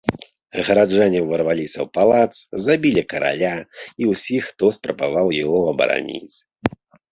Гараджане ўварваліся ў палац, забілі караля і ўсіх, хто спрабаваў яго абараніць.